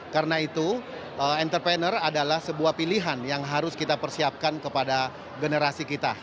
karena itu entrepreneur adalah sebuah pilihan yang harus kita persiapkan kepada generasi kita